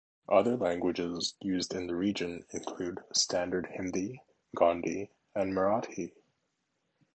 Other languages used in the region include Standard Hindi, Gondi, and Marathi.